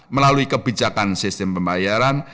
melalui kebijakan sistem pembayaran